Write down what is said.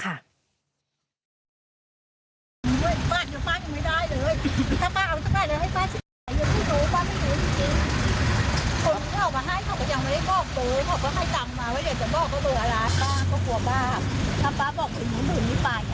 บอกป้าแล้วเขาจะบาปใหม่